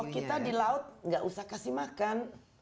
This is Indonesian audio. kalau kita di laut tidak usah kasih makan